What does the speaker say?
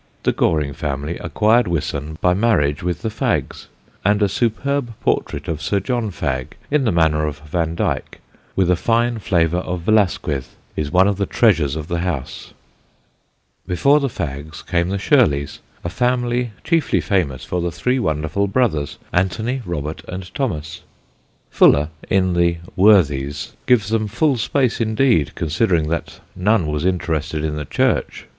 The Goring family acquired Wiston by marriage with the Faggs, and a superb portrait of Sir John Fagg, in the manner of Vandyck with a fine flavour of Velasquez, is one of the treasures of the house. [Sidenote: SIR ANTHONY SHIRLEY] Before the Faggs came the Shirleys, a family chiefly famous for the three wonderful brothers, Anthony, Robert, and Thomas. Fuller, in the Worthies, gives them full space indeed considering that none was interested in the Church.